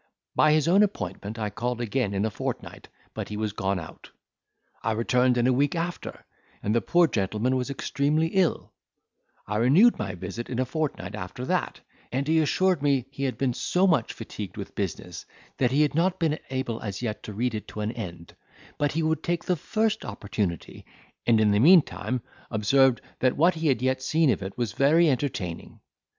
By his own appointment I called again in a fortnight, but he was gone out: I returned in a week after, and the poor gentleman was extremely ill: I renewed my visit in a fortnight after that, and he assured me he had been so much fatigued with business, that he had not been able as yet to read it to an end, but he would take the first opportunity: and, in the meantime, observed that what he had yet seen of it was very entertaining.